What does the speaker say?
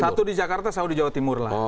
satu di jakarta selalu di jawa timur lah